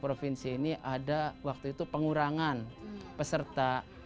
provinsi ini ada waktu itu pengurangan peserta